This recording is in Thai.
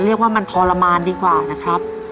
เรียกว่ามันทรมานดีกว่านะครับ